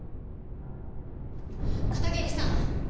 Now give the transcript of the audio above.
片桐さん。